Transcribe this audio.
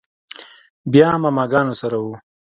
بيا ماما ګانو سره و.